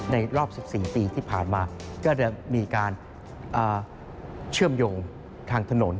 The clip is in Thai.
รอบ๑๔ปีที่ผ่านมาก็จะมีการเชื่อมโยงทางถนน